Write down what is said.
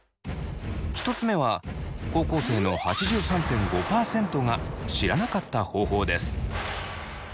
１つ目は高校生の８３．５％が知らなかった方法です。